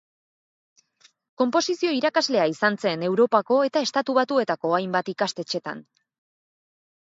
Konposizio-irakaslea izan zen Europako eta Estatu Batuetako hainbat ikastetxetan.